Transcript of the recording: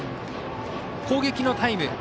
攻撃のタイム。